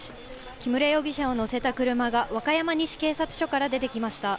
木村容疑者を乗せた車が、和歌山西警察署から出てきました。